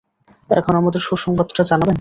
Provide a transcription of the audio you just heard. এখন আমাদের সুসংবাদটা জানাবেন?